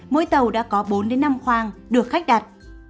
mỗi tàu đã có bốn đến năm khoang được khách đặt